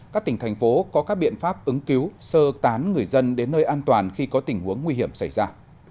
các tỉnh thành phố có các biện pháp ứng cứu sơ tán người dân đến nơi an toàn khi có tình huống nguy hiểm xảy ra